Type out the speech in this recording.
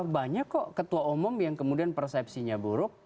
banyak kok ketua umum yang kemudian persepsinya buruk